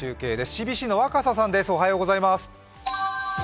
ＣＢＣの若狭さんです。